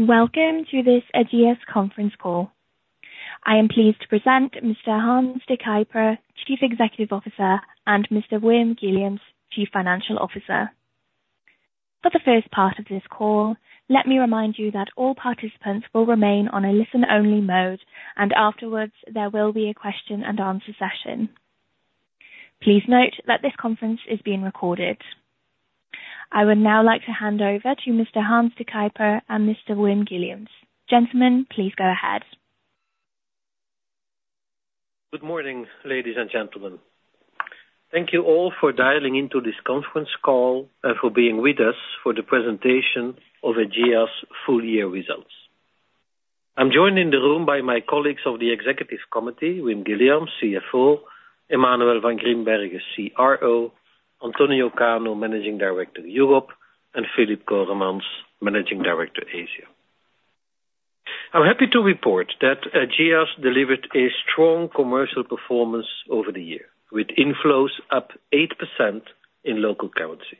Welcome to this Ageas conference call. I am pleased to present Mr. Hans De Cuyper, Chief Executive Officer, and Mr. Wim Guilliams, Chief Financial Officer. For the first part of this call, let me remind you that all participants will remain on a listen-only mode, and afterwards there will be a question and answer session. Please note that this conference is being recorded. I would now like to hand over to Mr. Hans De Cuyper and Mr. Wim Guilliams. Gentlemen, please go ahead. Good morning, ladies and gentlemen. Thank you all for dialing into this conference call, and for being with us for the presentation of Ageas' full year results. I'm joined in the room by my colleagues of the executive committee, Wim Guilliams, CFO, Emmanuel Van Grimbergen, CRO, Antonio Cano, Managing Director, Europe, and Filip Coremans, Managing Director, Asia. I'm happy to report that Ageas delivered a strong commercial performance over the year, with inflows up 8% in local currency.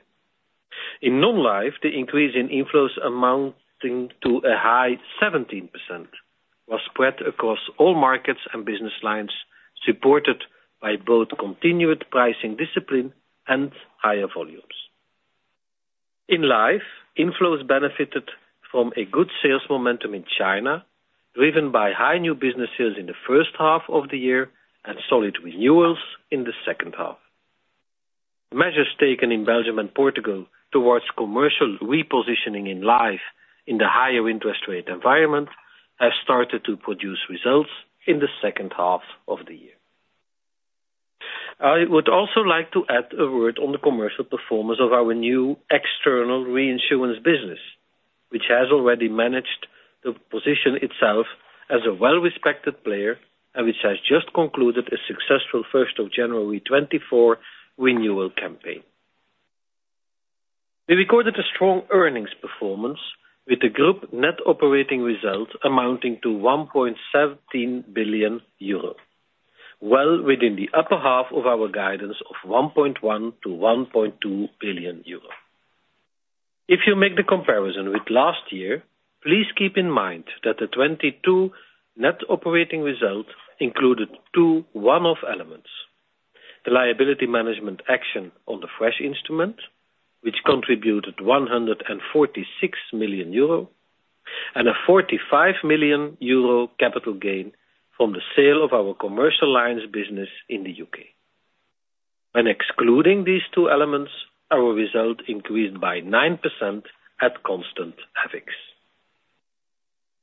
In non-life, the increase in inflows amounting to a high 17% was spread across all markets and business lines, supported by both continued pricing discipline and higher volumes. In life, inflows benefited from a good sales momentum in China, driven by high new business sales in the first half of the year and solid renewals in the second half. Measures taken in Belgium and Portugal towards commercial repositioning in life in the higher interest rate environment have started to produce results in the second half of the year. I would also like to add a word on the commercial performance of our new external reinsurance business, which has already managed to position itself as a well-respected player and which has just concluded a successful first of January 2024 renewal campaign. We recorded a strong earnings performance with a group net operating result amounting to 1.17 billion euro, well within the upper half of our guidance of 1.1 billion-1.2 billion euro. If you make the comparison with last year, please keep in mind that the 2022 net operating result included two one-off elements: the liability management action on the FRESH instrument, which contributed 146 million euro, and a 45 million euro capital gain from the sale of our Commercial Line business in the U.K. When excluding these two elements, our result increased by 9% at constant FX.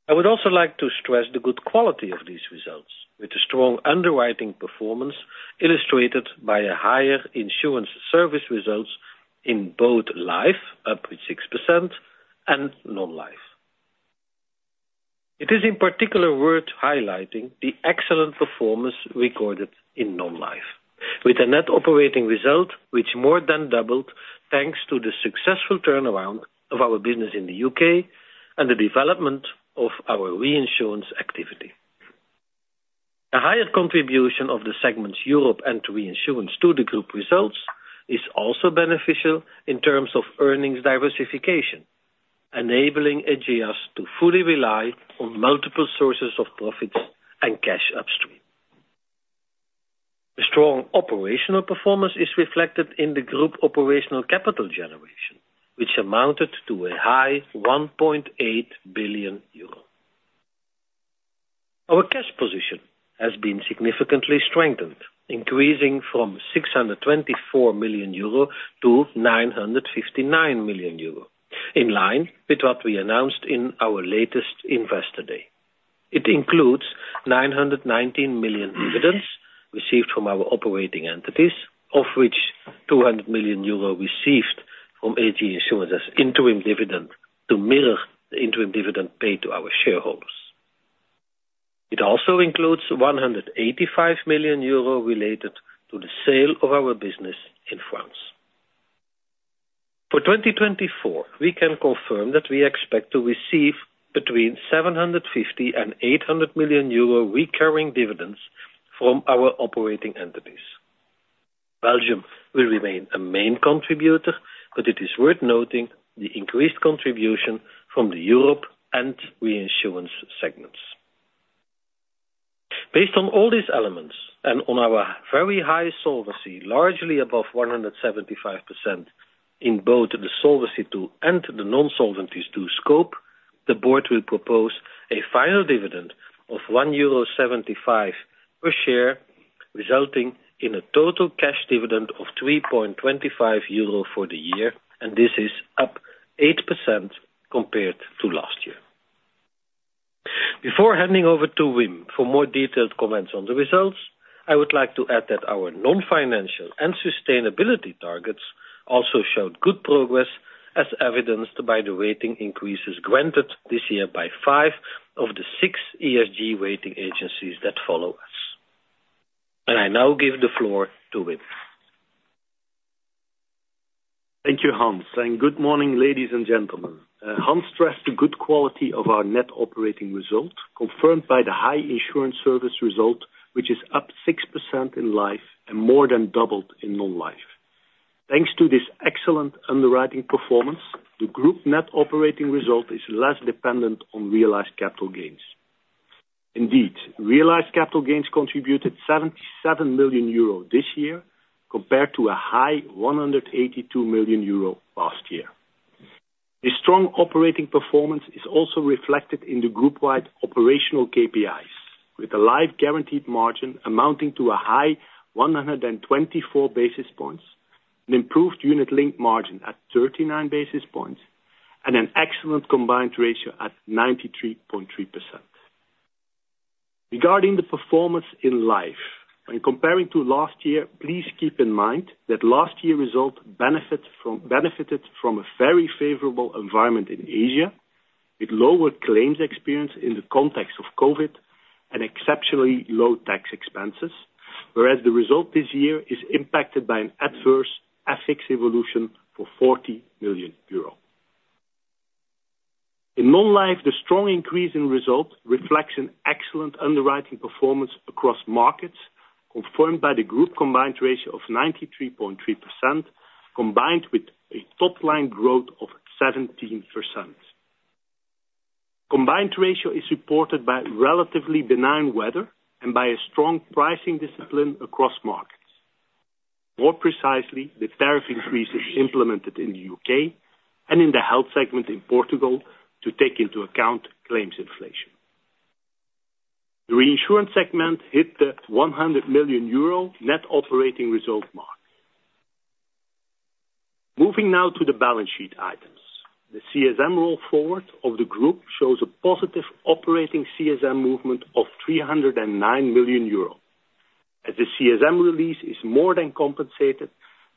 I would also like to stress the good quality of these results, with a strong underwriting performance illustrated by a higher insurance service results in both life, up to 6%, and non-life. It is in particular worth highlighting the excellent performance recorded in non-life, with a net operating result which more than doubled, thanks to the successful turnaround of our business in the U.K. and the development of our reinsurance activity. A higher contribution of the segments Europe and Reinsurance to the group results is also beneficial in terms of earnings diversification, enabling Ageas to fully rely on multiple sources of profits and cash upstream. The strong operational performance is reflected in the group operational capital generation, which amounted to a high 1.8 billion euro. Our cash position has been significantly strengthened, increasing from 624 million euro to 959 million euro, in line with what we announced in our latest investor day. It includes 919 million dividends received from our operating entities, of which 200 million euro received from Ageas Insurance's interim dividend to mirror the interim dividend paid to our shareholders. It also includes 185 million euro related to the sale of our business in France. For 2024, we can confirm that we expect to receive between 750 million and 800 million euro recurring dividends from our operating entities. Belgium will remain a main contributor, but it is worth noting the increased contribution from the Europe and reinsurance segments. Based on all these elements and on our very high solvency, largely above 175% in both the Solvency II and the Non-Solvency II scope, the board will propose a final dividend of 1.75 euro per share, resulting in a total cash dividend of 3.25 euro for the year, and this is up 8% compared to last year. Before handing over to Wim for more detailed comments on the results, I would like to add that our non-financial and sustainability targets also showed good progress, as evidenced by the rating increases granted this year by five of the six ESG rating agencies that follow us. I now give the floor to Wim. Thank you, Hans, and good morning, ladies and gentlemen. Hans stressed the good quality of our net operating result, confirmed by the high insurance service result, which is up 6% in life and more than doubled in non-life. Thanks to this excellent underwriting performance, the group net operating result is less dependent on realized capital gains. Indeed, realized capital gains contributed 77 million euro this year, compared to a high 182 million euro last year. The strong operating performance is also reflected in the group-wide operational KPIs, with a life guaranteed margin amounting to a high 124 basis points, an improved unit-linked margin at 39 basis points, and an excellent combined ratio at 93.3%. Regarding the performance in life, when comparing to last year, please keep in mind that last year's result benefited from a very favorable environment in Asia, with lower claims experience in the context of COVID and exceptionally low tax expenses, whereas the result this year is impacted by an adverse FX evolution for EUR 40 million. In non-life, the strong increase in results reflects an excellent underwriting performance across markets, confirmed by the group combined ratio of 93.3%, combined with a top line growth of 17%. Combined ratio is supported by relatively benign weather and by a strong pricing discipline across markets. More precisely, the tariff increase is implemented in the U.K. and in the health segment in Portugal to take into account claims inflation. The reinsurance segment hit the 100 million euro net operating result mark. Moving now to the balance sheet items. The CSM roll forward of the group shows a positive operating CSM movement of 309 million euro, as the CSM release is more than compensated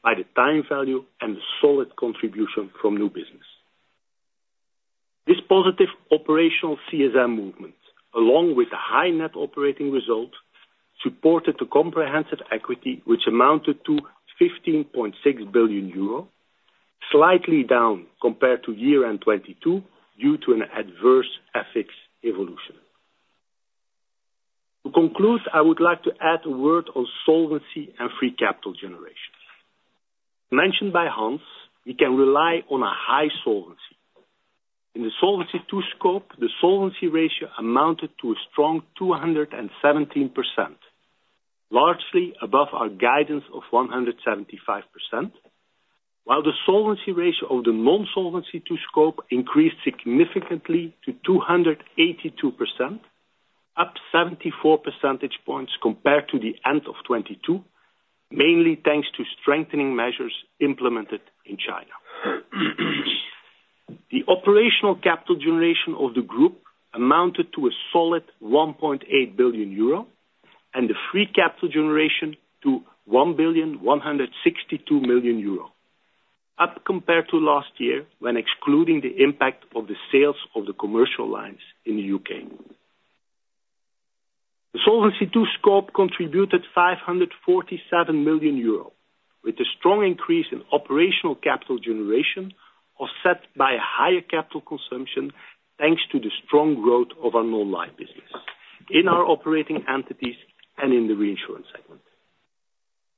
by the time value and the solid contribution from new business. This positive operational CSM movement, along with a high net operating result, supported the comprehensive equity, which amounted to 15.6 billion euro, slightly down compared to year end 2022, due to an adverse FX evolution. To conclude, I would like to add a word on solvency and free capital generation. Mentioned by Hans, we can rely on a high solvency. In the Solvency II scope, the solvency ratio amounted to a strong 217%, largely above our guidance of 175%, while the Solvency ratio of the non-Solvency II scope increased significantly to 282%, up 74 percentage points compared to the end of 2022, mainly thanks to strengthening measures implemented in China. The operational capital generation of the group amounted to a solid 1.8 billion euro, and the free capital generation to 1.162 billion, up compared to last year, when excluding the impact of the sales of the Commercial Lines in the U.K. The Solvency II scope contributed 547 million euro, with a strong increase in operational capital generation, offset by a higher capital consumption, thanks to the strong growth of our non-life business, in our operating entities and in the reinsurance segment.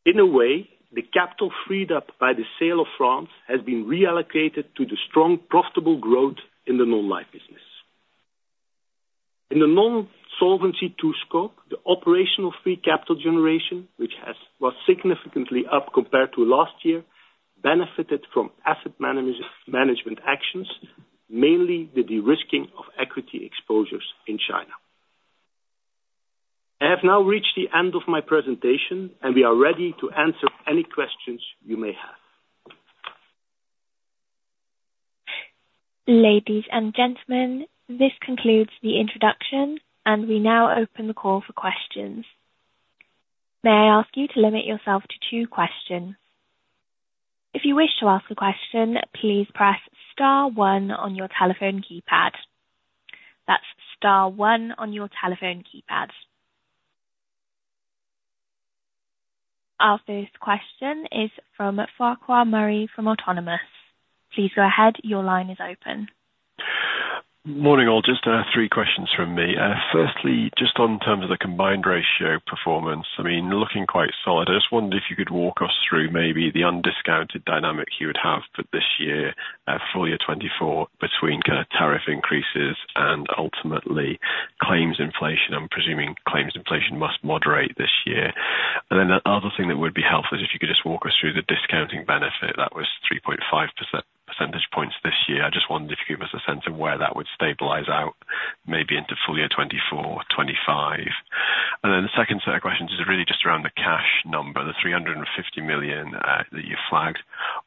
In a way, the capital freed up by the sale of France has been reallocated to the strong, profitable growth in the non-life business. In the non-Solvency II scope, the operational free capital generation, which was significantly up compared to last year, benefited from asset management actions, mainly the de-risking of equity exposures in China. I have now reached the end of my presentation, and we are ready to answer any questions you may have. Ladies and gentlemen, this concludes the introduction, and we now open the call for questions. May I ask you to limit yourself to two questions? If you wish to ask a question, please press star one on your telephone keypad. That's star one on your telephone keypad. Our first question is from Farquhar Murray from Autonomous. Please go ahead. Your line is open. Morning, all. Just three questions from me. Firstly, just on terms of the combined ratio performance, I mean, looking quite solid, I just wondered if you could walk us through maybe the undiscounted dynamic you would have for this year, full year 2024, between kind of tariff increases and ultimately claims inflation. I'm presuming claims inflation must moderate this year. Then the other thing that would be helpful is if you could just walk us through the discounting benefit, that was 3.5 percentage points this year. I just wondered if you could give us a sense of where that would stabilize out, maybe into full year 2024, 2025. Then the second set of questions is really just around the cash number, the 350 million that you flagged.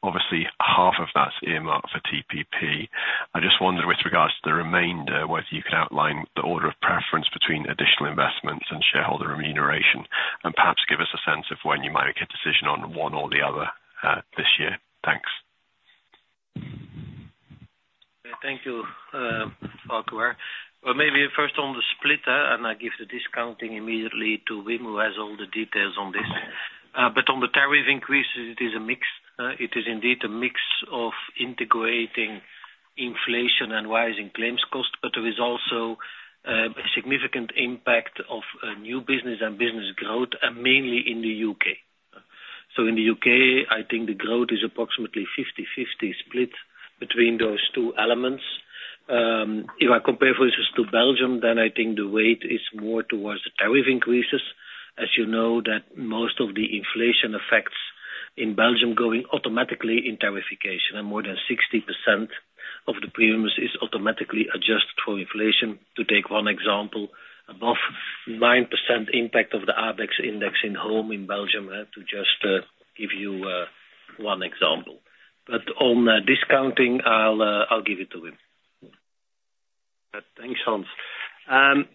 Obviously, half of that's earmarked for TPP. I just wonder with regards to the remainder, whether you can outline the order of preference between additional investments and shareholder remuneration, and perhaps give us a sense of when you might make a decision on one or the other, this year? Thanks. Thank you, Farquhar. Well, maybe first on the splitter, and I give the discounting immediately to Wim, who has all the details on this. But on the tariff increase, it is a mix. It is indeed a mix of integrating inflation and rising claims cost, but there is also... significant impact of, new business and business growth, and mainly in the U.K.. So in the U.K., I think the growth is approximately 50/50 split between those two elements. If I compare versus to Belgium, then I think the weight is more towards the tariff increases. As you know, that most of the inflation effects in Belgium going automatically in tarification, and more than 60% of the premiums is automatically adjusted for inflation, to take one example, above 9% impact of the ABEX index in home in Belgium, to just, give you, one example. But on, discounting, I'll, I'll give it to him. Thanks, Hans.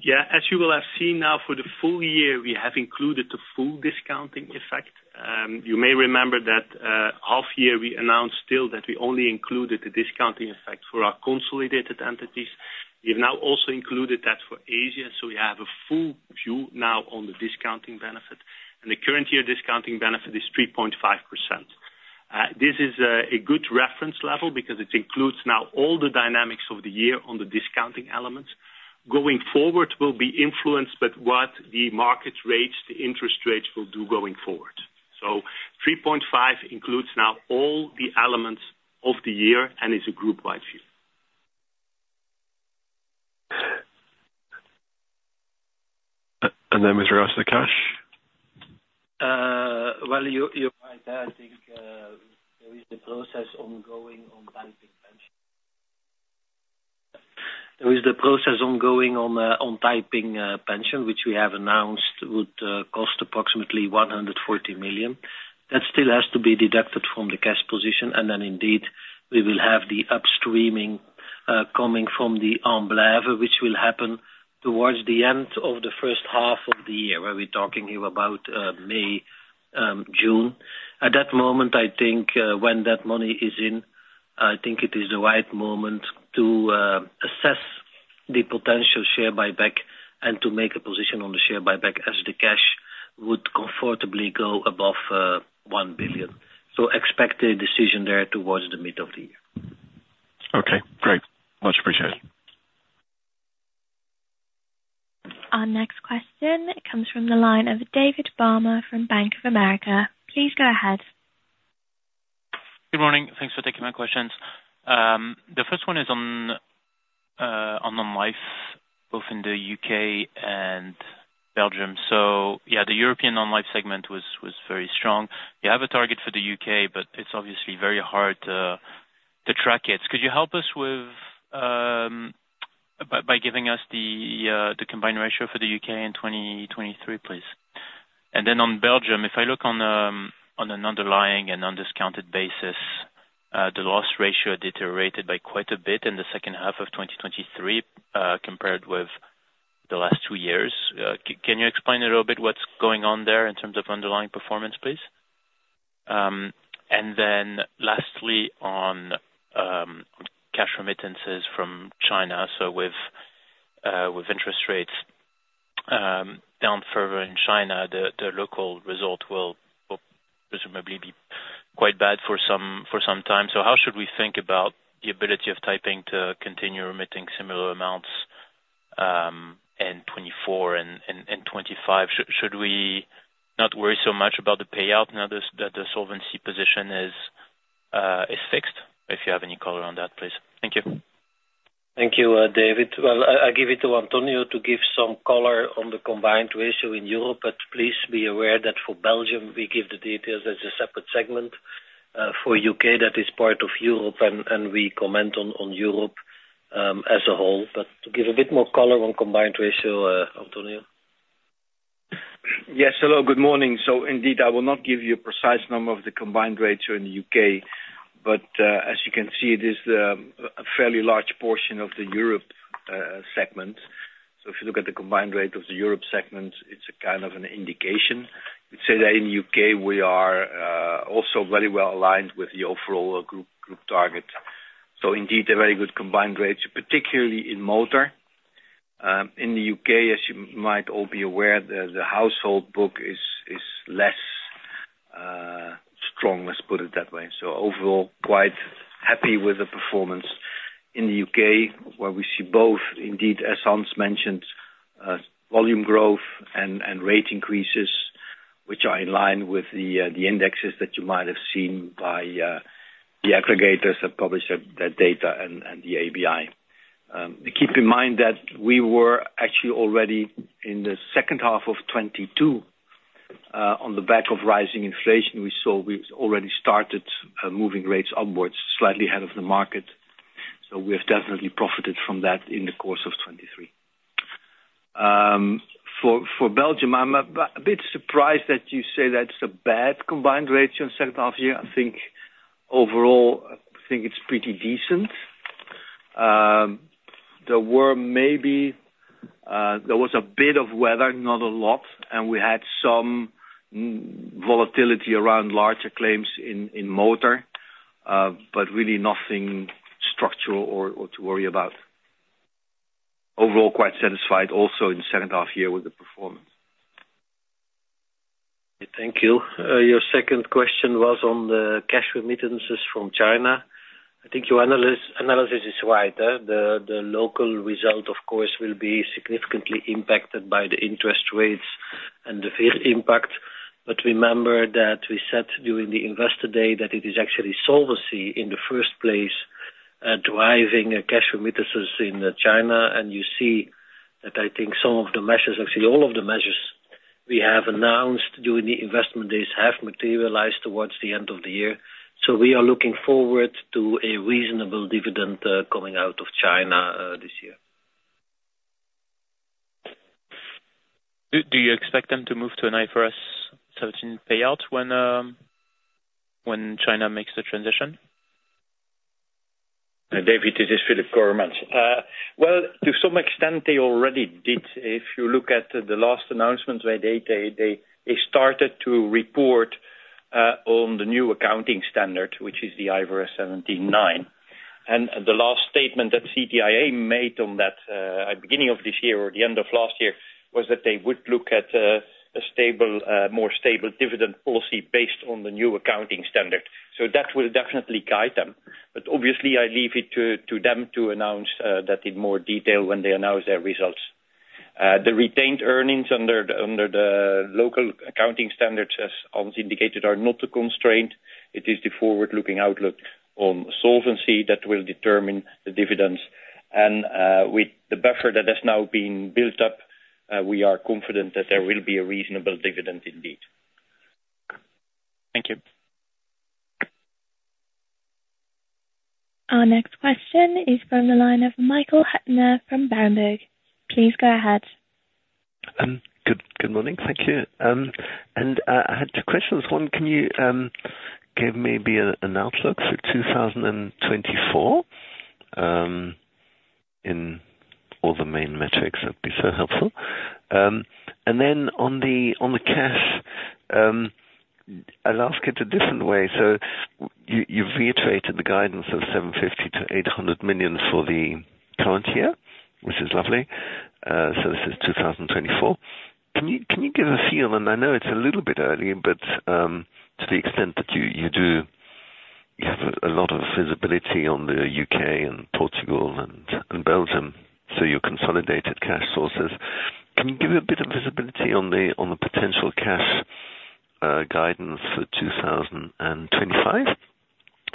Yeah, as you will have seen now for the full year, we have included the full discounting effect. You may remember that, half year we announced still that we only included the discounting effect for our consolidated entities. We have now also included that for Asia, so we have a full view now on the discounting benefit. The current year discounting benefit is 3.5%. This is a good reference level because it includes now all the dynamics of the year on the discounting elements. Going forward will be influenced by what the market rates, the interest rates will do going forward. So 3.5 includes now all the elements of the year, and is a group-wide view. and then with regards to the cash? Well, you're right there. I think, there is a process ongoing on Taiping Pension. There is the process ongoing on, on Taiping Pension, which we have announced would cost approximately 140 million. That still has to be deducted from the cash position, and then indeed, we will have the upstreaming coming from the Amblève, which will happen towards the end of the first half of the year, where we're talking here about, May, June. At that moment, I think, when that money is in, I think it is the right moment to assess the potential share buyback and to make a position on the share buyback as the cash would comfortably go above, one billion. So expect a decision there towards the middle of the year. Okay, great. Much appreciated. Our next question comes from the line of David Balmer from Bank of America. Please go ahead. Good morning. Thanks for taking my questions. The first one is on the life, both in the U.K. and Belgium. So yeah, the European non-life segment was very strong. You have a target for the U.K., but it's obviously very hard to track it. Could you help us by giving us the combined ratio for the U.K. in 2023, please? And then on Belgium, if I look on an underlying and undiscounted basis, the loss ratio deteriorated by quite a bit in the second half of 2023, compared with the last two years. Can you explain a little bit what's going on there in terms of underlying performance, please? And then lastly, on cash remittances from China. So with interest rates down further in China, the local result will presumably be quite bad for some time. So how should we think about the ability of Taiping to continue remitting similar amounts in 2024 and 2025? Should we not worry so much about the payout now that the solvency position is fixed? If you have any color on that, please. Thank you. Thank you, David. Well, I give it to Antonio to give some color on the combined ratio in Europe, but please be aware that for Belgium, we give the details as a separate segment. For U.K., that is part of Europe, and we comment on Europe as a whole. But to give a bit more color on combined ratio, Antonio. Yes, hello, good morning. So indeed, I will not give you a precise number of the combined ratio in the U.K., but, as you can see, it is, a fairly large portion of the Europe, segment. So if you look at the combined ratio of the Europe segment, it's a kind of an indication. I'd say that in U.K. we are, also very well aligned with the overall group, group target. So indeed, a very good combined ratio, particularly in motor. In the U.K., as you might all be aware, the household book is, is less, strong, let's put it that way. So overall, quite happy with the performance in the U.K., where we see both, indeed, as Hans mentioned, volume growth and rate increases, which are in line with the indexes that you might have seen by the aggregators that publish that data and the ABI. Keep in mind that we were actually already in the second half of 2022, on the back of rising inflation, we already started moving rates upwards, slightly ahead of the market, so we have definitely profited from that in the course of 2023. For Belgium, I'm a bit surprised that you say that's a bad combined ratio in second half year. I think overall, I think it's pretty decent. There were maybe, there was a bit of weather, not a lot, and we had some volatility around larger claims in motor, but really nothing structural or to worry about. Overall, quite satisfied also in the second half year with the performance. Thank you. Your second question was on the cash remittances from China. I think your analysis is right. The local result, of course, will be significantly impacted by the interest rates and the FX impact, but remember that we said during the investor day that it is actually solvency in the first place driving cash remittances in China, and you see that I think some of the measures, actually, all of the measures we have announced during the investor days have materialized towards the end of the year. So we are looking forward to a reasonable dividend coming out of China this year. Do you expect them to move to an IFRS 17 payout when China makes the transition? David, this is Filip Coremans. Well, to some extent, they already did. If you look at the last announcement, where they started to report on the new accounting standard, which is the IFRS 17, and the last statement that CTIA made on that, at beginning of this year or the end of last year, was that they would look at a stable, more stable dividend policy based on the new accounting standard. So that will definitely guide them, but obviously I leave it to them to announce that in more detail when they announce their results. The retained earnings under the local accounting standards, as indicated, are not a constraint. It is the forward-looking outlook on solvency that will determine the dividends. With the buffer that has now been built up, we are confident that there will be a reasonable dividend indeed. Thank you. Our next question is from the line of Michael Huttner from Berenberg. Please go ahead. Good morning. Thank you. I had two questions. One, can you give maybe an outlook for 2024 in all the main metrics, that'd be so helpful. Then on the cash, I'll ask it a different way. So you've reiterated the guidance of 750 million-800 million for the current year, which is lovely, so this is 2024. Can you give a feel, and I know it's a little bit early, but to the extent that you do, you have a lot of visibility on the U.K. and Portugal and Belgium, so your consolidated cash sources. Can you give a bit of visibility on the potential cash guidance for 2025?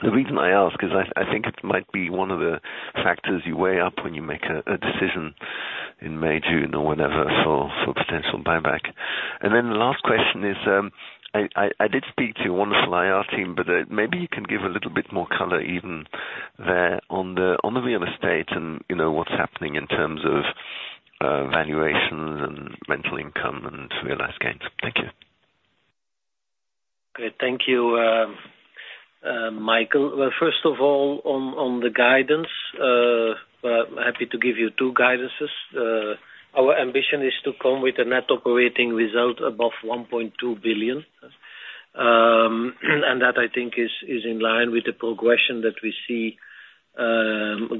The reason I ask is I think it might be one of the factors you weigh up when you make a decision in May, June or whenever, for potential buyback. Then the last question is, I did speak to your wonderful IR team, but maybe you can give a little bit more color even there on the real estate and, you know, what's happening in terms of valuation and rental income and realized gains. Thank you. Great. Thank you, Michael. Well, first of all, on the guidance, I'm happy to give you two guidances. Our ambition is to come with a net operating result above 1.2 billion. And that I think is in line with the progression that we see,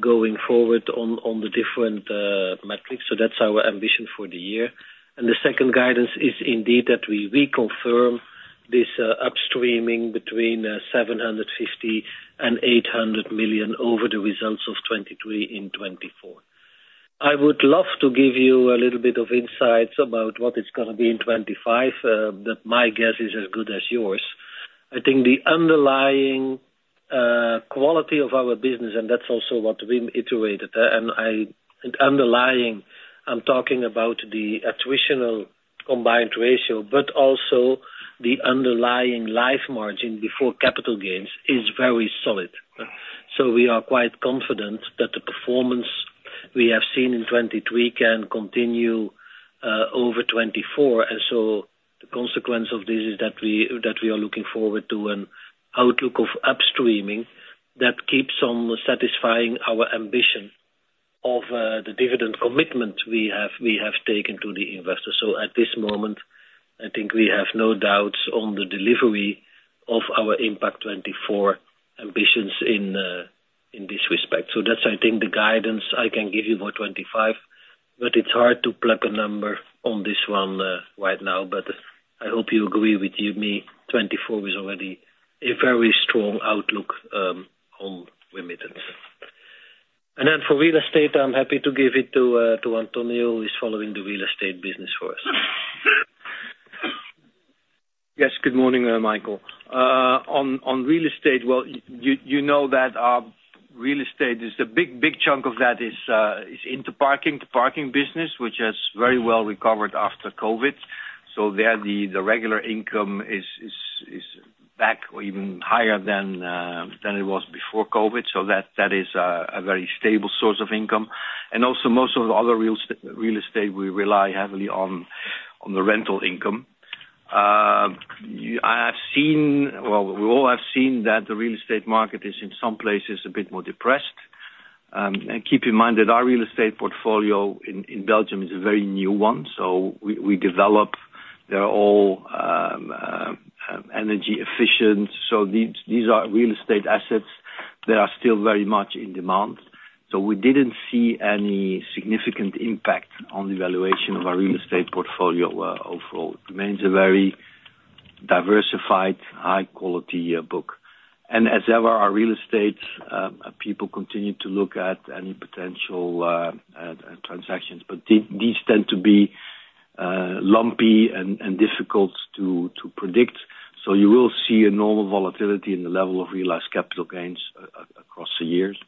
going forward on the different metrics. So that's our ambition for the year. And the second guidance is indeed that we reconfirm this, upstreaming between 750 million and 800 million over the results of 2023 and 2024. I would love to give you a little bit of insights about what it's gonna be in 2025, but my guess is as good as yours. I think the underlying quality of our business, and that's also what we reiterated, and I... Underlying, I'm talking about the attritional combined ratio, but also the underlying life margin before capital gains is very solid. So we are quite confident that the performance we have seen in 2023 can continue over 2024. And so the consequence of this is that we, that we are looking forward to an outlook of upstreaming that keeps on satisfying our ambition of the dividend commitment we have, we have taken to the investor. So at this moment, I think we have no doubts on the delivery of our impact 2024 ambitions in in this respect. So that's I think the guidance I can give you for 2025, but it's hard to pluck a number on this one right now, but I hope you agree with me, 2024 is already a very strong outlook on remittances. And then for real estate, I'm happy to give it to, to Antonio, who is following the real estate business for us. Yes, good morning, Michael. On real estate, well, you know that real estate is the big, big chunk of that is into parking, the parking business, which has very well recovered after COVID. So there, the regular income is back or even higher than it was before COVID. So that is a very stable source of income. And also most of the other real estate, we rely heavily on the rental income. I have seen. Well, we all have seen that the real estate market is in some places a bit more depressed. And keep in mind that our real estate portfolio in Belgium is a very new one, so we develop them all energy efficient. These are real estate assets that are still very much in demand. We didn't see any significant impact on the valuation of our real estate portfolio, overall. Remains a very diversified, high quality book. And as ever, our real estate people continue to look at any potential transactions, but these tend to be lumpy and difficult to predict. You will see a normal volatility in the level of realized capital gains across the years,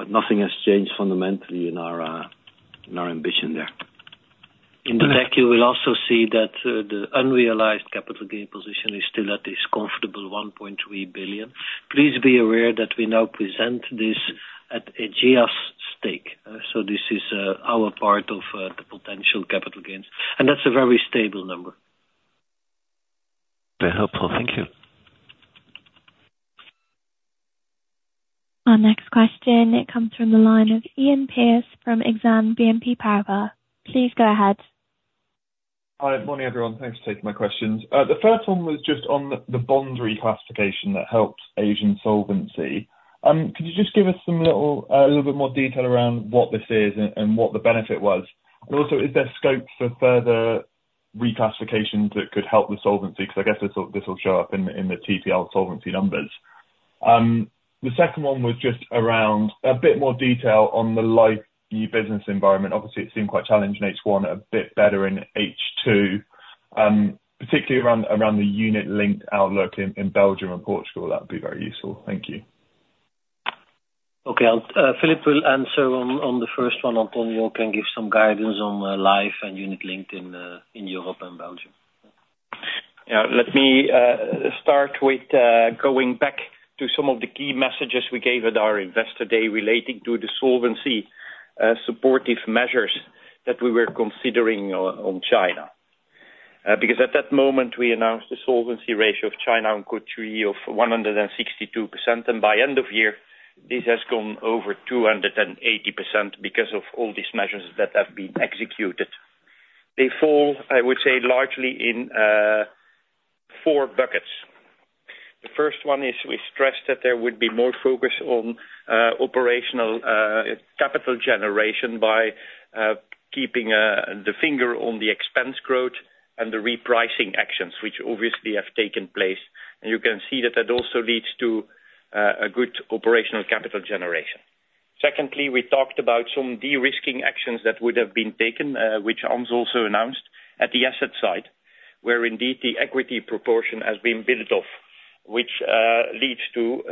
but nothing has changed fundamentally in our ambition there. In the deck, you will also see that the unrealized capital gain position is still at this comfortable 1.3 billion. Please be aware that we now present this at an Ageas stake. This is our part of the potential capital gains, and that's a very stable number. Very helpful. Thank you. Our next question, it comes from the line of Iain Pearce from Exane BNP Paribas. Please go ahead. Hi, good morning, everyone. Thanks for taking my questions. The first one was just on the, the bond reclassification that helped Asian solvency. Could you just give us some little, a little bit more detail around what this is and, and what the benefit was? And also, is there scope for further reclassifications that could help the solvency? 'Cause I guess this will, this will show up in the, in the TPL solvency numbers. The second one was just around a bit more detail on the life new business environment. Obviously, it seemed quite challenging in H1, a bit better in H2, particularly around, around the unit-linked outlook in, in Belgium and Portugal. That would be very useful. Thank you. Okay, Filip will answer on the first one. Antonio can give some guidance on life and unit-linked in Europe and Belgium. Yeah, let me start with going back to some of the key messages we gave at our Investor Day relating to the solvency supportive measures that we were considering on China. Because at that moment, we announced the solvency ratio of China in Q3 of 162%, and by end of year, this has gone over 280% because of all these measures that have been executed. They fall, I would say, largely in four buckets. The first one is we stressed that there would be more focus on operational capital generation by keeping the finger on the expense growth and the repricing actions, which obviously have taken place. And you can see that that also leads to a good operational capital generation. Secondly, we talked about some de-risking actions that would have been taken, which Hans also announced, at the asset side, where indeed the equity proportion has been built off, which leads to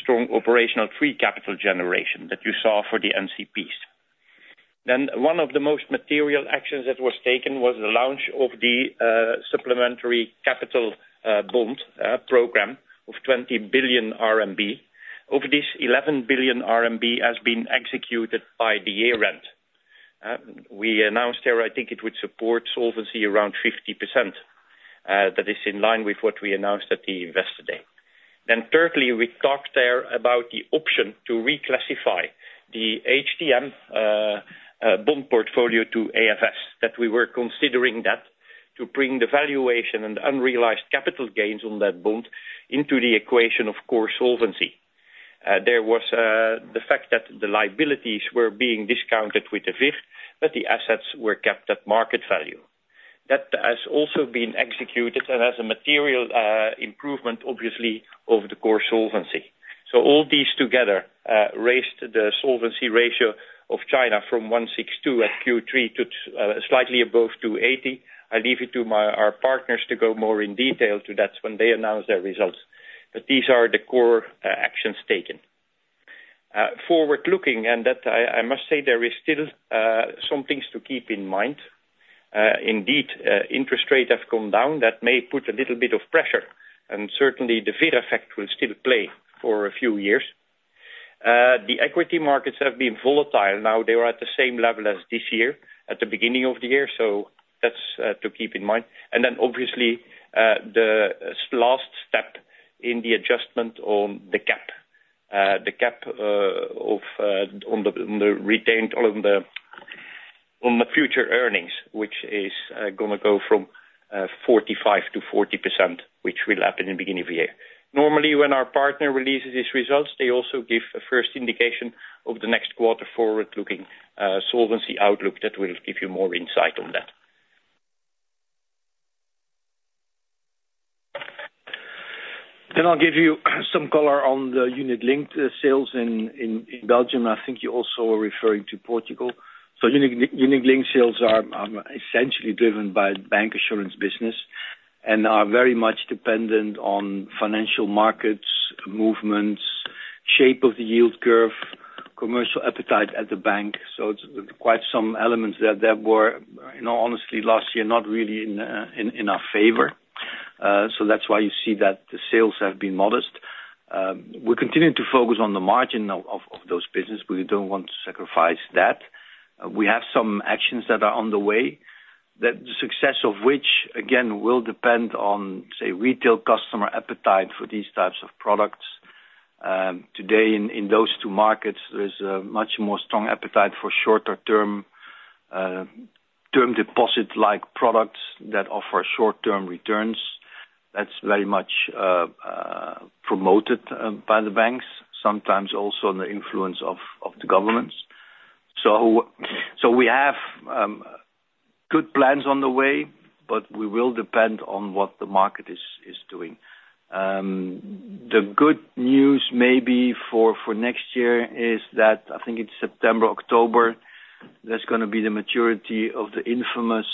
strong operational free capital generation that you saw for the NCPs. Then, one of the most material actions that was taken was the launch of the supplementary capital bonds program of 20 billion RMB. Of this, 11 billion RMB has been executed by the year-end. We announced there, I think it would support solvency around 50%, that is in line with what we announced at the Investor Day. Then thirdly, we talked there about the option to reclassify the HTM bond portfolio to AFS, that we were considering that to bring the valuation and unrealized capital gains on that bond into the equation of core solvency. There was the fact that the liabilities were being discounted with the VIF, but the assets were kept at market value. That has also been executed and has a material improvement, obviously, over the core solvency. So all these together raised the solvency ratio of China from 162 at Q3 to slightly above 280. I leave it to my, our partners to go more in detail to that when they announce their results, but these are the core actions taken. Forward looking, and that I must say there is still some things to keep in mind. Indeed, interest rates have come down. That may put a little bit of pressure, and certainly the VIF effect will still play for a few years. The equity markets have been volatile. Now, they were at the same level as this year, at the beginning of the year, so that's to keep in mind. And then obviously, the last step in the adjustment on the gap of the retained or the future earnings, which is gonna go from 45% to 40%, which will happen in the beginning of the year. Normally, when our partner releases these results, they also give a first indication of the next quarter forward-looking solvency outlook that will give you more insight on that. And I'll give you some color on the unit-linked sales in Belgium. I think you also are referring to Portugal. So unit-linked sales are essentially driven by bank assurance business and are very much dependent on financial markets, movements, shape of the yield curve, commercial appetite at the bank. So it's quite some elements that were, you know, honestly, last year, not really in our favor. So that's why you see that the sales have been modest. We're continuing to focus on the margin of those business, but we don't want to sacrifice that. We have some actions that are on the way, that the success of which, again, will depend on, say, retail customer appetite for these types of products.... Today, in those two markets, there's a much more strong appetite for shorter term, term deposit-like products that offer short-term returns. That's very much promoted by the banks, sometimes also in the influence of the governments. We have good plans on the way, but we will depend on what the market is doing. The good news may be for next year is that I think it's September, October, there's gonna be the maturity of the infamous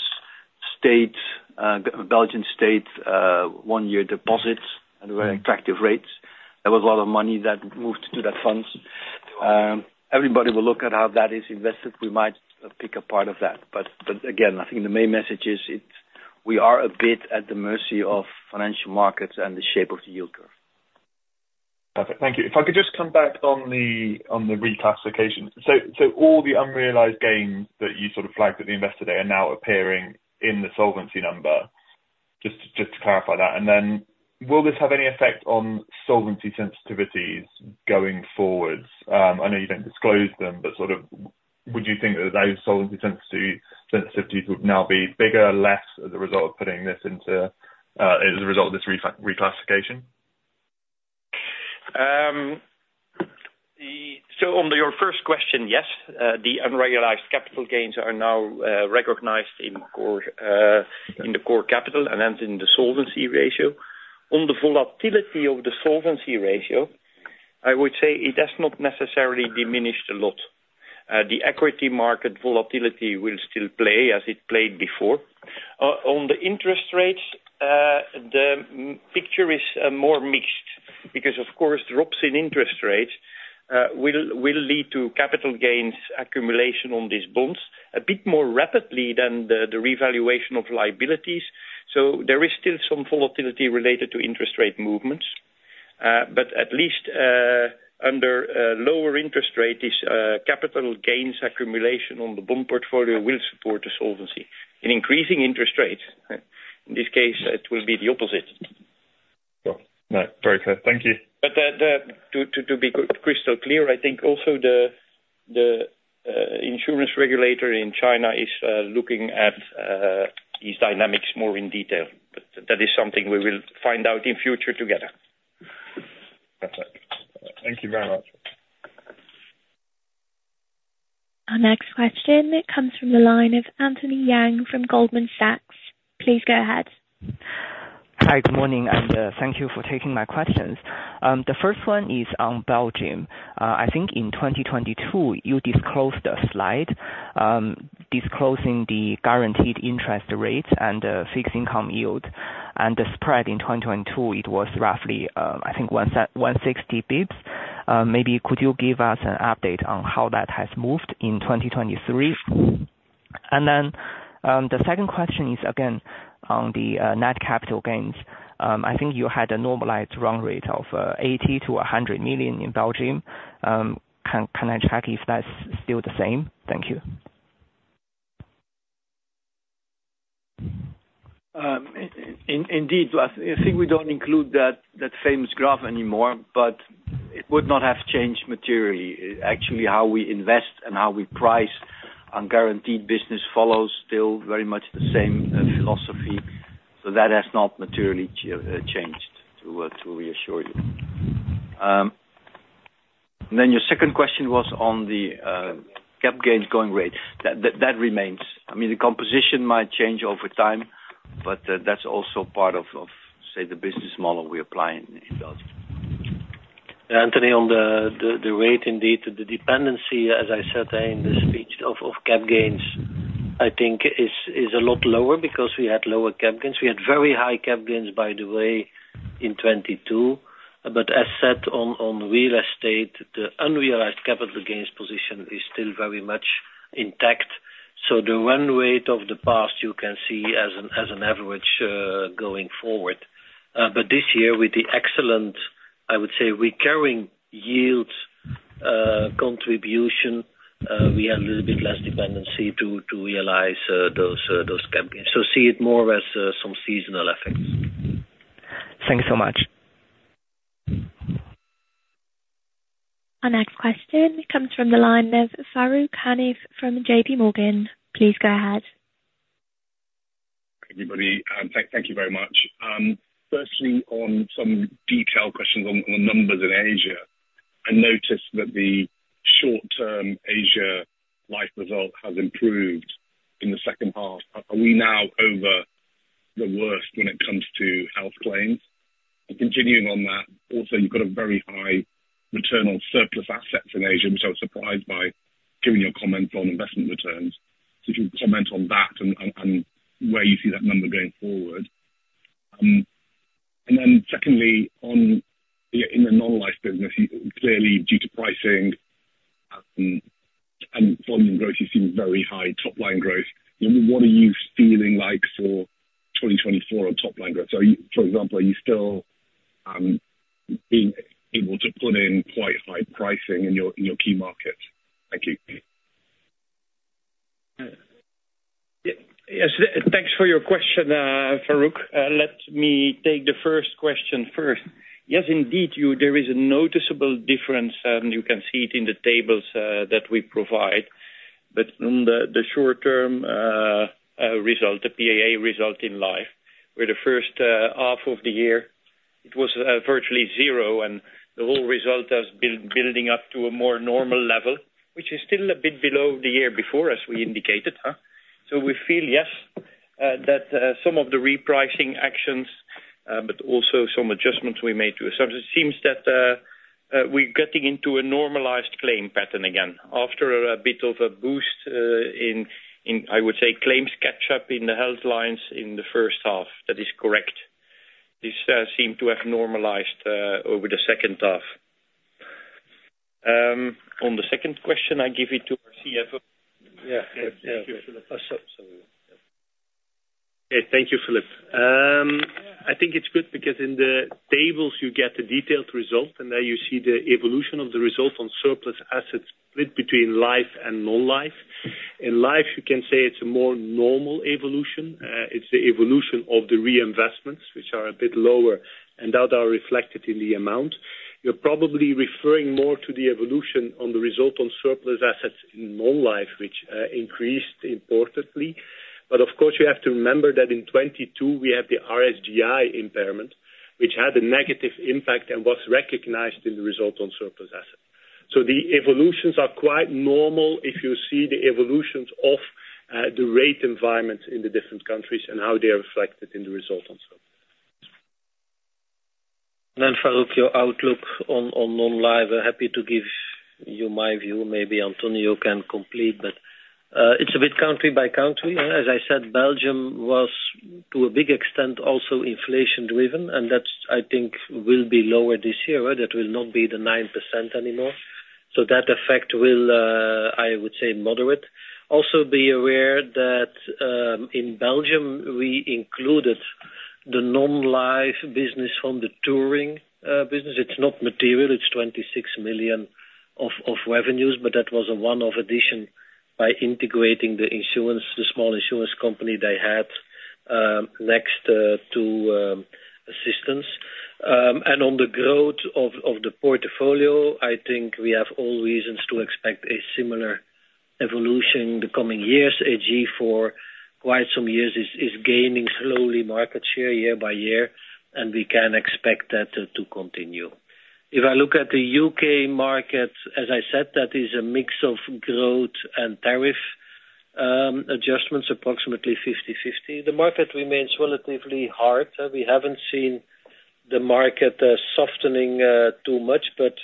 state, Belgian state, one-year deposits at very attractive rates. There was a lot of money that moved to the funds. Everybody will look at how that is invested. We might pick a part of that, but, but again, I think the main message is it's, we are a bit at the mercy of financial markets and the shape of the yield curve. Perfect. Thank you. If I could just come back on the reclassification. So all the unrealized gains that you sort of flagged at the investor day are now appearing in the solvency number? Just to clarify that. And then will this have any effect on solvency sensitivities going forward? I know you don't disclose them, but sort of would you think that those solvency sensitivity, sensitivities would now be bigger or less as a result of putting this into, as a result of this reclassification? So on your first question, yes, the unrealized capital gains are now recognized in core, in the core capital and then in the solvency ratio. On the volatility of the Solvency ratio, I would say it has not necessarily diminished a lot. The equity market volatility will still play as it played before. On the interest rates, the picture is more mixed, because, of course, drops in interest rates will lead to capital gains accumulation on these bonds a bit more rapidly than the revaluation of liabilities. So there is still some volatility related to interest rate movements. But at least, under a lower interest rate, this capital gains accumulation on the bond portfolio will support the solvency. In increasing interest rates, in this case, it will be the opposite. Cool. No, very clear. Thank you. But, to be crystal clear, I think also the insurance regulator in China is looking at these dynamics more in detail. But that is something we will find out in future together. Perfect. Thank you very much. Our next question comes from the line of Anthony Yang from Goldman Sachs. Please go ahead. Hi, good morning, and thank you for taking my questions. The first one is on Belgium. I think in 2022, you disclosed a slide disclosing the guaranteed interest rates and fixed income yield. And the spread in 2022, it was roughly, I think 160 bips. Maybe could you give us an update on how that has moved in 2023? And then, the second question is, again, on the net capital gains. I think you had a normalized run rate of 80 million-100 million in Belgium. Can I check if that's still the same? Thank you. Indeed, I think we don't include that famous graph anymore, but it would not have changed materially. Actually, how we invest and how we price on guaranteed business follows still very much the same philosophy. So that has not materially changed, to reassure you. Then your second question was on the cap gains going rate. That remains. I mean, the composition might change over time, but that's also part of, say, the business model we apply in Belgium. Anthony, on the rate, indeed, the dependency, as I said in the speech of cap gains, I think is a lot lower because we had lower cap gains. We had very high cap gains, by the way, in 2022, but as set on real estate, the unrealized capital gains position is still very much intact. So the run rate of the past you can see as an average going forward. But this year, with the excellent, I would say, recurring yields contribution, we have a little bit less dependency to realize those cap gains. So see it more as some seasonal effects. Thank you so much. Our next question comes from the line of Farooq Hanif from JPMorgan. Please go ahead. Hi, everybody. Thank you very much. Firstly, on some detailed questions on the numbers in Asia, I noticed that the short-term Asia life result has improved in the second half. Are we now over the worst when it comes to health claims? And continuing on that, also, you've got a very high return on surplus assets in Asia, which I was surprised by, given your comments on investment returns. So if you could comment on that and where you see that number going forward. And then secondly, on in the non-life business, clearly due to pricing and volume growth, you've seen very high top line growth. What are you feeling like for 2024 on top line growth? Are you—for example, are you still being able to put in quite high pricing in your key markets? Thank you. Yeah, yes, thanks for your question, Farooq. Let me take the first question first. Yes, indeed, there is a noticeable difference, and you can see it in the tables that we provide. But on the short term result, the PAA result in life, where the first half of the year it was virtually zero, and the whole result has been building up to a more normal level, which is still a bit below the year before, as we indicated. So we feel, yes, that some of the repricing actions, but also some adjustments we made to it. So it seems that we're getting into a normalized claim pattern again, after a bit of a boost in claims catch up in the health lines in the first half. That is correct. This seemed to have normalized over the second half. On the second question, I give it to our CFO. Yeah, thank you. Okay. Thank you, Filip. I think it's good, because in the tables you get the detailed result, and there you see the evolution of the result on surplus assets split between life and non-life. In life, you can say it's a more normal evolution. It's the evolution of the reinvestments, which are a bit lower, and that are reflected in the amount. You're probably referring more to the evolution on the result on surplus assets in non-life, which increased importantly. But of course, you have to remember that in 2022 we had the RSGI impairment, which had a negative impact and was recognized in the result on surplus assets. So the evolutions are quite normal if you see the evolutions of the rate environment in the different countries, and how they are reflected in the result on surplus. Then Farooq, your outlook on non-life, I'm happy to give you my view. Maybe Antonio can complete, but it's a bit country by country. As I said, Belgium was, to a big extent, also inflation driven, and that's, I think, will be lower this year. That will not be the 9% anymore. So that effect will, I would say, moderate. Also, be aware that in Belgium, we included the non-life business from the Touring business. It's not material, it's 26 million of revenues, but that was a one-off addition by integrating the insurance, the small insurance company they had next to assistance. And on the growth of the portfolio, I think we have all reasons to expect a similar evolution in the coming years. Ageas, for quite some years, is gaining slowly market share year by year, and we can expect that to continue. If I look at the U.K. market, as I said, that is a mix of growth and tariff adjustments, approximately 50/50. The market remains relatively hard. We haven't seen the market softening too much, but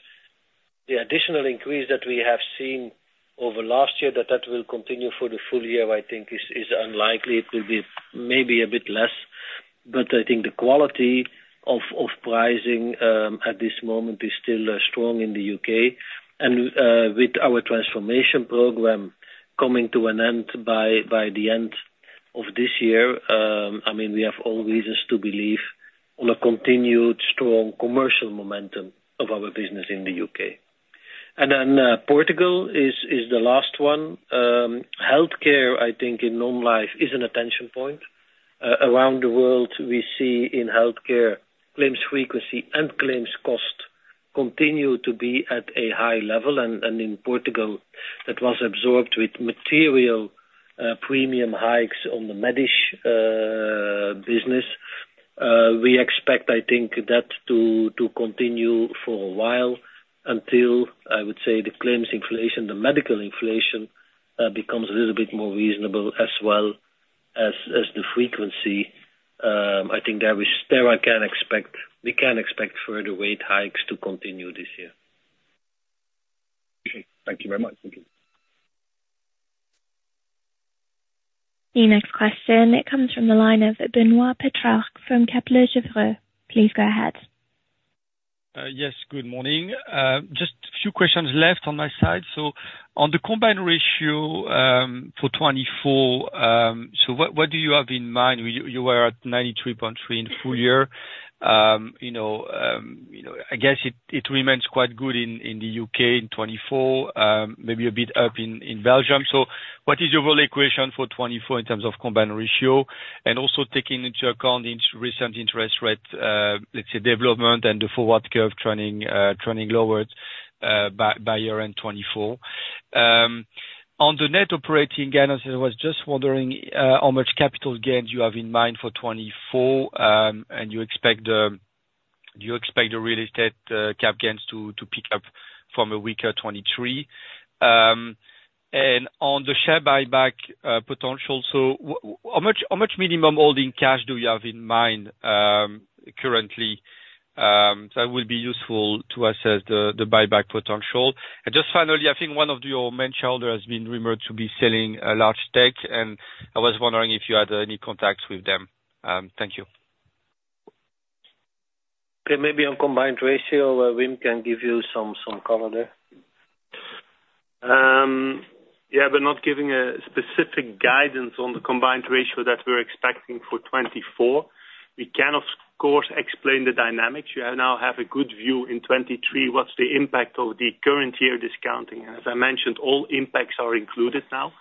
the additional increase that we have seen over last year, that will continue for the full year, I think is unlikely. It will be maybe a bit less. But I think the quality of pricing at this moment is still strong in the U.K.. And with our transformation program coming to an end by the end of this year, I mean, we have all reasons to believe on a continued strong commercial momentum of our business in the U.K.. And then, Portugal is the last one. Healthcare, I think, in non-life is an attention point. Around the world, we see in healthcare claims frequency and claims cost continue to be at a high level, and in Portugal, that was absorbed with material premium hikes on the Médis business. We expect, I think, that to continue for a while, until, I would say, the claims inflation, the medical inflation, becomes a little bit more reasonable as well as the frequency. I think there is, there I can expect, we can expect further rate hikes to continue this year. Okay. Thank you very much. Thank you. The next question, it comes from the line of Benoît Pétrarque from Kepler Cheuvreux. Please go ahead. Yes, good morning. Just a few questions left on my side. So on the combined ratio, for 2024, so what do you have in mind? You were at 93.3 in full year. You know, you know, I guess it remains quite good in the U.K. in 2024, maybe a bit up in Belgium. So what is your role equation for 2024 in terms of combined ratio? And also taking into account the recent interest rate, let's say, development and the forward curve trending lower by year end 2024. On the net operating guidance, I was just wondering, how much capital gains you have in mind for 2024, and you expect, do you expect the real estate cap gains to pick up from a weaker 2023? And on the share buyback potential, how much minimum holding cash do you have in mind currently? That will be useful to assess the buyback potential. And just finally, I think one of your main shareholders has been rumored to be selling a large stake, and I was wondering if you had any contacts with them. Thank you. Okay, maybe on combined ratio, Wim can give you some color there. Yeah, we're not giving a specific guidance on the combined ratio that we're expecting for 2024. We can, of course, explain the dynamics. You now have a good view in 2023, what's the impact of the current year discounting. As I mentioned, all impacts are included now.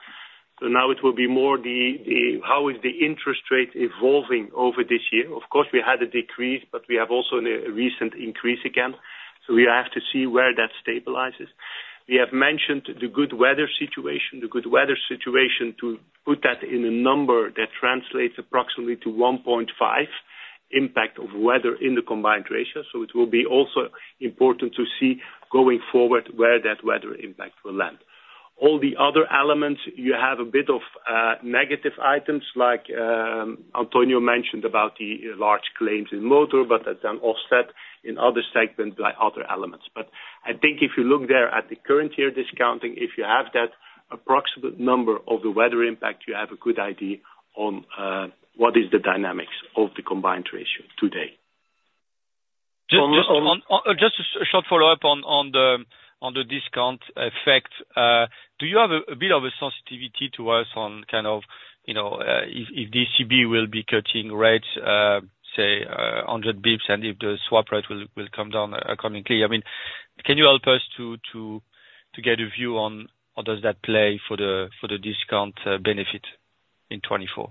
So now it will be more the how is the interest rate evolving over this year? Of course, we had a decrease, but we have also a recent increase again, so we have to see where that stabilizes. We have mentioned the good weather situation. The good weather situation, to put that in a number that translates approximately to 1.5 impact of weather in the combined ratio. So it will be also important to see, going forward, where that weather impact will land. All the other elements, you have a bit of negative items, like Antonio mentioned about the large claims in motor, but that then offset in other segments by other elements. I think if you look there at the current year discounting, if you have that approximate number of the weather impact, you have a good idea on what is the dynamics of the combined ratio today. Just a short follow-up on the discount effect. Do you have a bit of a sensitivity to us on kind of, you know, if ECB will be cutting rates, say, 100 bips, and if the swap rate will come down accordingly? I mean, can you help us to get a view on how does that play for the discount benefit in 2024?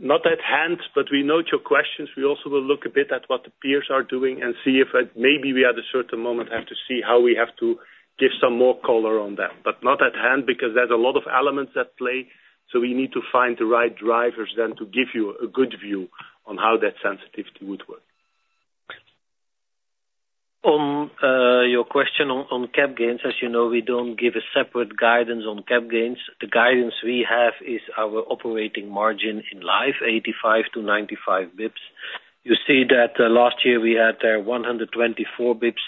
Not at hand, but we note your questions. We also will look a bit at what the peers are doing and see if maybe we, at a certain moment, have to see how we have to give some more color on that. But not at hand, because there's a lot of elements at play, so we need to find the right drivers then to give you a good view on how that sensitivity would work. On your question on cap gains, as you know, we don't give a separate guidance on cap gains. The guidance we have is our operating margin in life, 85-95 bips. You see that, last year we had 124 bips,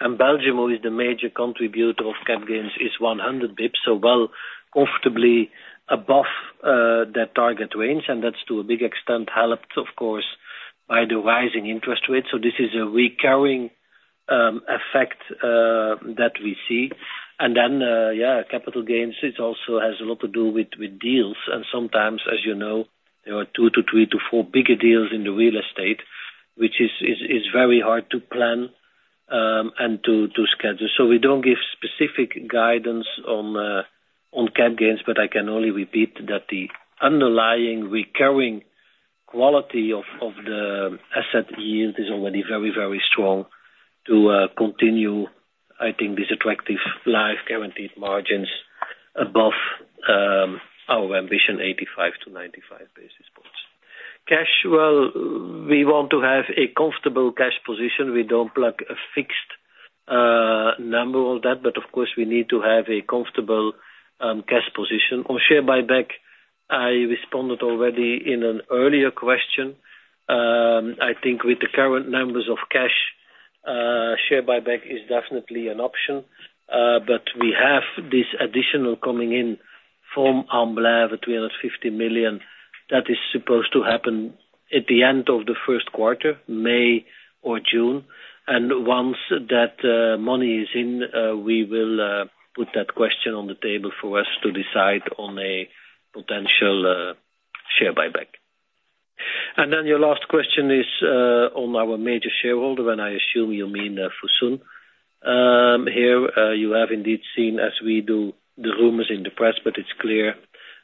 and Belgium, who is the major contributor of cap gains, is 100 bips, so well comfortably above that target range, and that's to a big extent helped, of course, by the rising interest rates. So this is a recurring effect that we see. And then, yeah, capital gains, it also has a lot to do with deals. And sometimes, as you know, there are 2 to 3 to 4 bigger deals in the real estate, which is very hard to plan and to schedule. So we don't give specific guidance on cap gains, but I can only repeat that the underlying recurring quality of the asset yield is already very, very strong to continue, I think, these attractive life guaranteed margins above our ambition, 85-95 basis points. Cash, well, we want to have a comfortable cash position. We don't plug a fixed number on that, but of course we need to have a comfortable cash position. On share buyback, I responded already in an earlier question. I think with the current numbers of cash, share buyback is definitely an option. But we have this additional coming in from Amblève, 350 million. That is supposed to happen at the end of the first quarter, May or June. Once that money is in, we will put that question on the table for us to decide on a potential share buyback. Then your last question is on our major shareholder, and I assume you mean Fosun. Here, you have indeed seen, as we do, the rumors in the press, but it's clear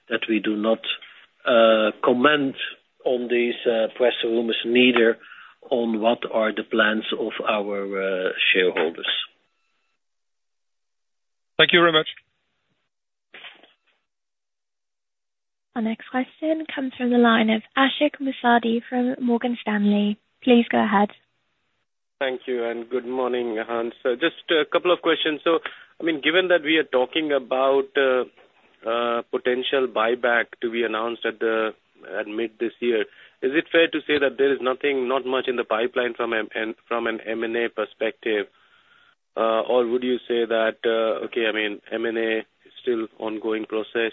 that we do not comment on these press rumors, neither on what are the plans of our shareholders. Thank you very much. Our next question comes from the line of Ashik Musaddi from Morgan Stanley. Please go ahead. Thank you, and good morning, Hans. So just a couple of questions. So, I mean, given that we are talking about a potential buyback to be announced at the, at mid this year, is it fair to say that there is nothing, not much in the pipeline from an M&A perspective? Or would you say that, okay, I mean, M&A is still ongoing process,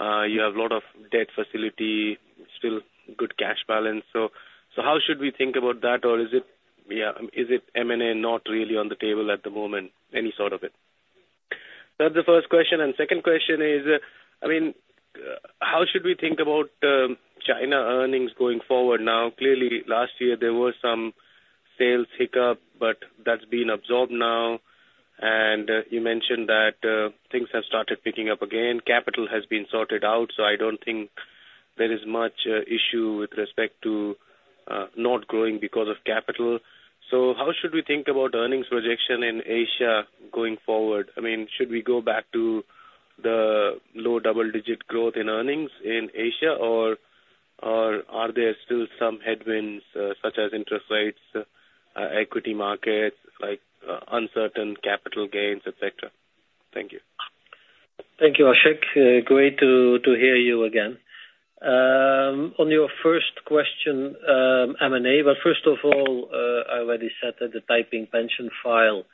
you have a lot of debt facility, still good cash balance. So how should we think about that? Or is it, yeah, is it M&A not really on the table at the moment, any sort of it? That's the first question, and second question is, I mean, how should we think about China earnings going forward now? Clearly, last year there was some sales hiccup, but that's been absorbed now. And, you mentioned that, things have started picking up again. Capital has been sorted out, so I don't think there is much, issue with respect to, not growing because of capital. So how should we think about earnings projection in Asia going forward? I mean, should we go back to the low double-digit growth in earnings in Asia, or, or are there still some headwinds, such as interest rates, equity markets, like, uncertain capital gains, et cetera? Thank you. Thank you, Ashik. Great to hear you again. On your first question, M&A, but first of all, I already said that the topping pension file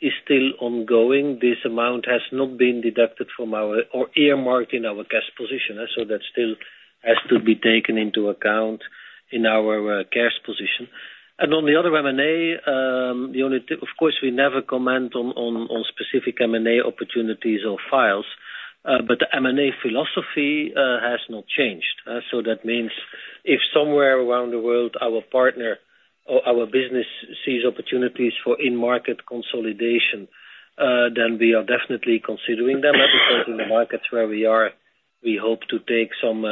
is still ongoing. This amount has not been deducted from our... or earmarked in our cash position, so that still has to be taken into account in our cash position. On the other M&A, the only thing, of course, we never comment on specific M&A opportunities or files, but the M&A philosophy has not changed. So that means if somewhere around the world, our partner or our business sees opportunities for in-market consolidation, then we are definitely considering them, of course, in the markets where we are, we hope to take some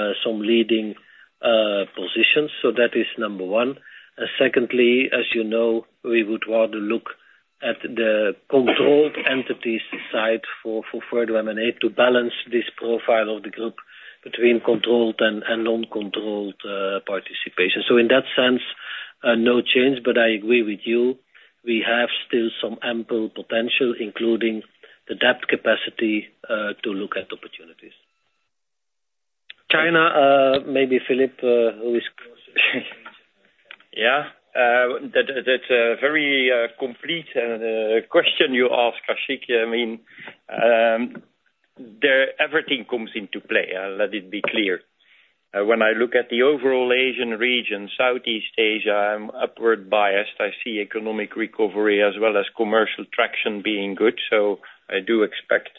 leading positions, so that is number one. Secondly, as you know, we would rather look at the controlled entities side for further M&A to balance this profile of the group between controlled and non-controlled participation. So in that sense, no change, but I agree with you, we have still some ample potential, including the debt capacity, to look at opportunities. China, maybe Filip, who is closer. Yeah. That's a very complete question you ask, Ashik. I mean, the everything comes into play, let it be clear. When I look at the overall Asian region, Southeast Asia, I'm upward biased. I see economic recovery as well as commercial traction being good, so I do expect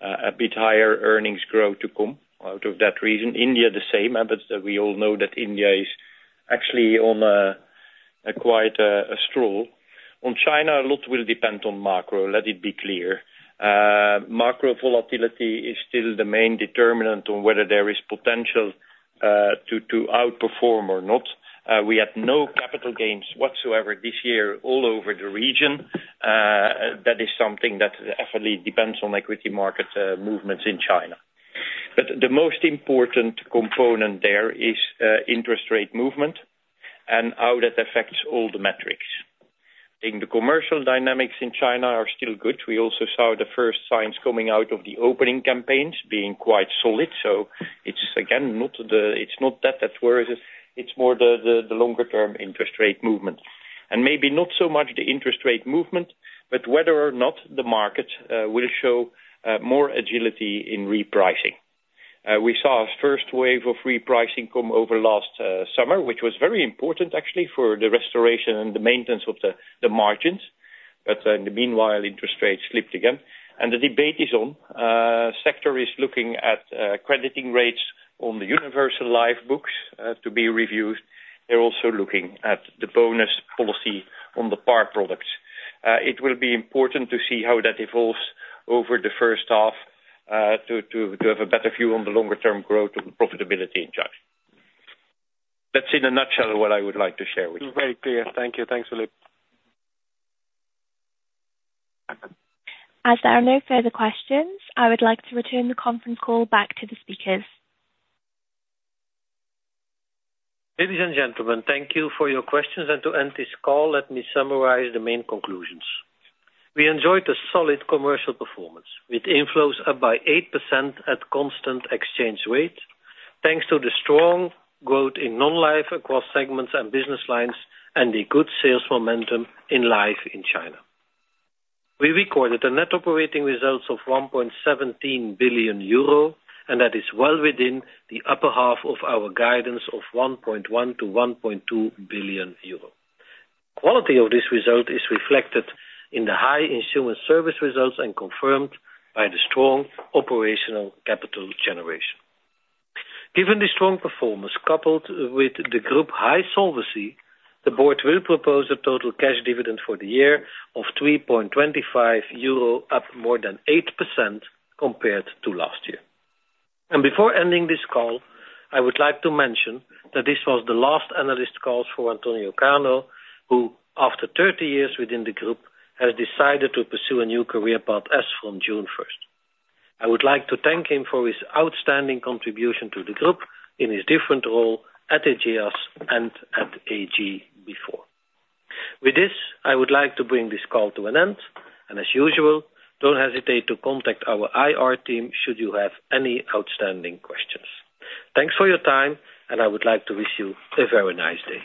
a bit higher earnings growth to come out of that region. India, the same, but we all know that India is actually on quite a stroll. On China, a lot will depend on macro, let it be clear. Macro volatility is still the main determinant on whether there is potential to outperform or not. We had no capital gains whatsoever this year, all over the region. That is something that definitely depends on equity market movements in China. But the most important component there is, interest rate movement and how that affects all the metrics. I think the commercial dynamics in China are still good. We also saw the first signs coming out of the opening campaigns being quite solid, so it's again, it's not that that's where it is, it's more the longer term interest rate movement. And maybe not so much the interest rate movement, but whether or not the market will show more agility in repricing. We saw a first wave of repricing come over last summer, which was very important actually for the restoration and the maintenance of the margins, but in the meanwhile, interest rates slipped again. And the debate is on. Sector is looking at crediting rates on the universal life books to be reviewed. They're also looking at the bonus policy on the par products. It will be important to see how that evolves over the first half, to have a better view on the longer term growth and profitability in China. That's in a nutshell, what I would like to share with you. Very clear. Thank you. Thanks, Filip. As there are no further questions, I would like to return the conference call back to the speakers. Ladies and gentlemen, thank you for your questions. To end this call, let me summarize the main conclusions. We enjoyed a solid commercial performance, with inflows up by 8% at constant exchange rate, thanks to the strong growth in non-life across segments and business lines, and the good sales momentum in life in China. We recorded the net operating results of 1.17 billion euro, and that is well within the upper half of our guidance of 1.1 billion-1.2 billion euro. Quality of this result is reflected in the high insurance service results and confirmed by the strong operational capital generation. Given the strong performance, coupled with the group high solvency, the board will propose a total cash dividend for the year of 3.25 euro, up more than 8% compared to last year. Before ending this call, I would like to mention that this was the last analyst call for Antonio Cano, who, after 30 years within the group, has decided to pursue a new career path as from June first. I would like to thank him for his outstanding contribution to the group in his different role at Ageas and at AG Insurance before. With this, I would like to bring this call to an end, and as usual, don't hesitate to contact our IR team, should you have any outstanding questions. Thanks for your time, and I would like to wish you a very nice day.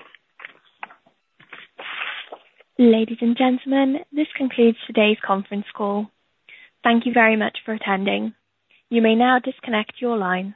Ladies and gentlemen, this concludes today's conference call. Thank you very much for attending. You may now disconnect your lines.